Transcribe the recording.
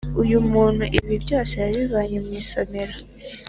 Uyu muntu ibi byose yabivanye mw’isomero